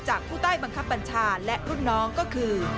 ผู้ใต้บังคับบัญชาและรุ่นน้องก็คือ